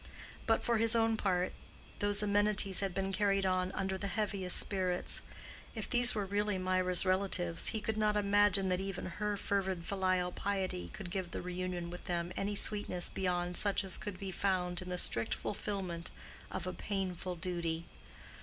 But for his own part those amenities had been carried on under the heaviest spirits. If these were really Mirah's relatives, he could not imagine that even her fervid filial piety could give the reunion with them any sweetness beyond such as could be found in the strict fulfillment of a painful duty.